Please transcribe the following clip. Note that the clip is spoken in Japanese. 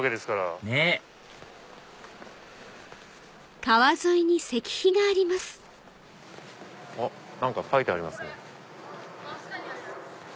ねっあっ何か書いてありますね。